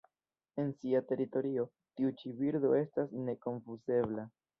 En sia teritorio, tiu ĉi birdo estas nekonfuzebla.